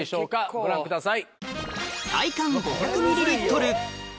ご覧ください。